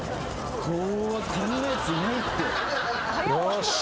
こんなやついないって。